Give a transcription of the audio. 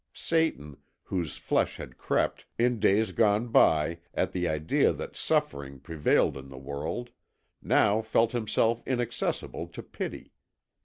Satan, whose flesh had crept, in days gone by, at the idea that suffering prevailed in the world, now felt himself inaccessible to pity.